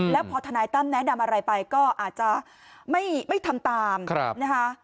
แล้วพอทนายตั้มแนะนำอะไรไปก็อาจจะไม่ทำตามนะคะ